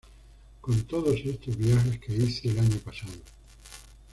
Con todos estos viajes que hice el año pasado.